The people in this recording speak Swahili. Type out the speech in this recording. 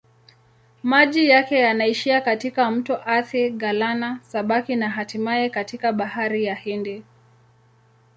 Maji yake yanaishia katika mto Athi-Galana-Sabaki na hatimaye katika Bahari ya Hindi.